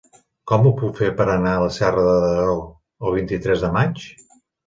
Com ho puc fer per anar a Serra de Daró el vint-i-tres de maig?